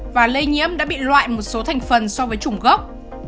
và lây nhiễm đã bị loại một số thành phần so với chủng gốc